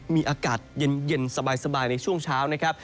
มีอากาศเย็นสบายในช่วงเช้า